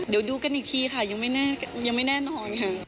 เดี๋ยวดูกันอีกทีค่ะยังไม่แน่นอนค่ะ